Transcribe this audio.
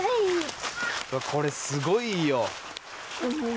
これすごいよ。